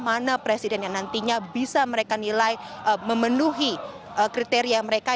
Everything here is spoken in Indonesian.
mana presiden yang nantinya bisa mereka nilai memenuhi kriteria mereka